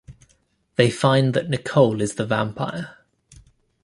They find that Nicolle is the vampire.